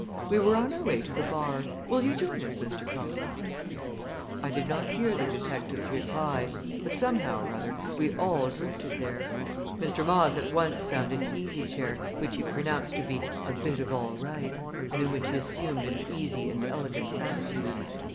"We were on our way to the bar. Will you join us, Mr. Cullen?" I did not hear the detective's reply, but somehow or other we all drifted there. Mr. Moss at once found an easy chair, which he pronounced to be "a bit of all right" and in which he assumed an easy and elegant attitude.